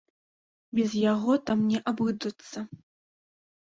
Без яго там не абыдуцца.